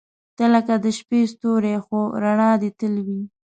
• ته لکه د شپې ستوری، خو رڼا دې تل وي.